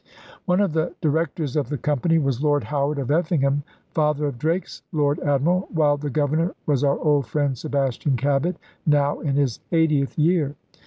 One of the directors of the company was Lord Howard of Effingham, father of Drake's Lord Admiral, while the governor was our old friend Sebastian Cabot, now in his eightieth year.